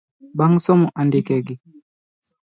Bang somo andikegi